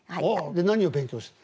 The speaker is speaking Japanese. で何を勉強したの？